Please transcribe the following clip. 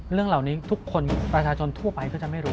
เรื่องเหล่านี้ทุกคนประชาชนทั่วไปก็จะไม่รู้